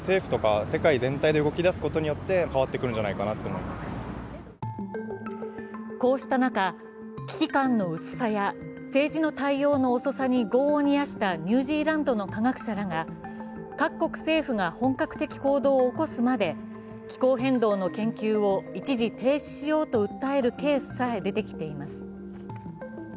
街の人もこうした中危機感の薄さや政治の対応の遅さに業を煮やしたニュージーランドの科学者らが各国政府が本格的行動を起こすまで気候変動の研究を一時停止しようと訴えるケースさえ出てきています。